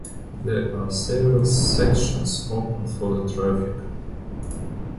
There are several sections open for the traffic.